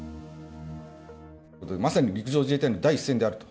まさに陸上自衛隊の第一線であると。